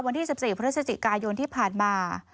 วันที่๑๔พฤศจิกายนที่ผ่านมา